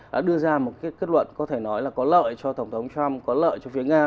đã đưa ra một cái kết luận có thể nói là có lợi cho tổng thống trump có lợi cho phía nga